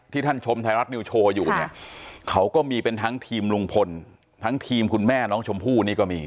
ท่านชมไทยรัฐนิวโชว์อยู่เนี่ยเขาก็มีเป็นทั้งทีมลุงพลทั้งทีมคุณแม่น้องชมพู่นี่ก็มี